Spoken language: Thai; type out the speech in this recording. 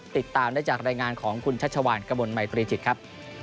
ติดตามได้จากรายงานของคุณชัชวานกระมวลมัยตรีจิตครับ